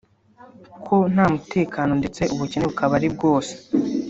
ko nta mutekano ndetse ubukene bukaba ari bwose